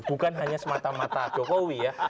bukan hanya semata mata jokowi ya